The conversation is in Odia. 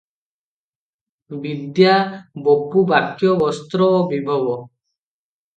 ବିଦ୍ୟା, ବପୁ, ବାକ୍ୟ, ବସ୍ତ୍ର ଓ ବିଭବ ।